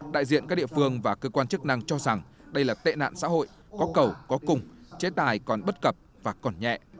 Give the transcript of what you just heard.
đại diện các địa phương và cơ quan chức năng cho rằng đây là tệ nạn xã hội có cầu có cung chế tài còn bất cập và còn nhẹ